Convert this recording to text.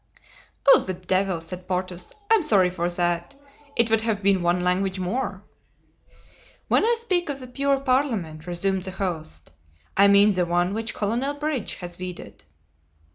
"Oh, the devil!" said Porthos, "I am sorry for that; it would have been one language more." "When I speak of the pure parliament," resumed the host, "I mean the one which Colonel Bridge has weeded."